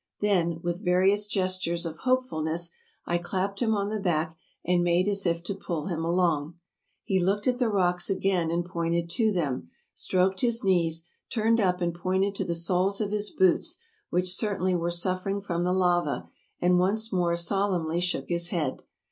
Then, with various gestures of hopefulness, I clapped him on the back, and made as if to pull him along. He looked at the rocks again and pointed to them, stroked his knees, turned up and pointed to the soles of his boots, which certainly were suffering from the lava, and once more solemnly shook his head.